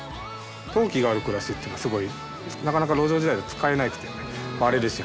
陶器がある暮らしっていうのはすごいなかなか路上時代は使えなくて割れるし。